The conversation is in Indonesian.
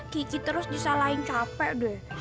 kiki terus disalahin capek deh